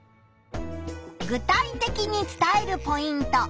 具体的に伝えるポイント。